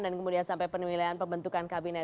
dan kemudian sampai pemilihan pembentukan kabinet